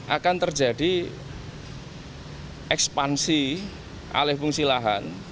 akan terjadi ekspansi alih fungsi lahan